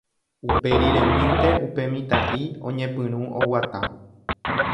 Uperiremínte upe mitã'i oñepyrũ oguata.